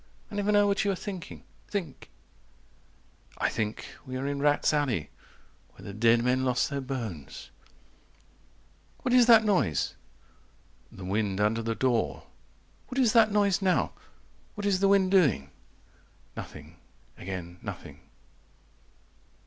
"I never know what you are thinking. Think." I think we are in rats' alley Where the dead men lost their bones. "What is that noise?" The wind under the door. "What is that noise now? What is the wind doing?" Nothing again nothing.